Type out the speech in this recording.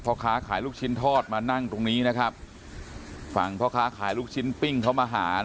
พ่อค้าขายลูกชิ้นทอดมานั่งตรงนี้นะครับฝั่งพ่อค้าขายลูกชิ้นปิ้งเขามาหา